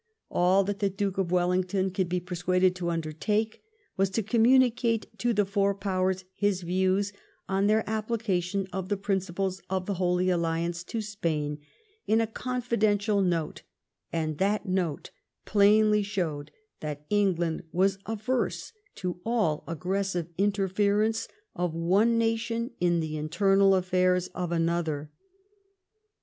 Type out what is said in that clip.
All that the Duke of AVellington could be persuaded to undertake was to communicate to the four Powers his views on their application of the prin ciples of the Holy Alliance to Spain, in a confidential note, and that note plainly showed that England was averse to all aggressive interference of one nation in the internal affairs of another.